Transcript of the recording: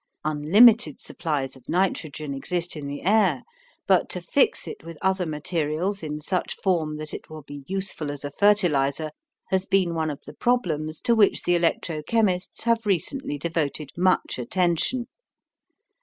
Unlimited supplies of nitrogen exist in the air, but to fix it with other materials in such form that it will be useful as a fertilizer has been one of the problems to which the electro chemists have recently devoted much attention.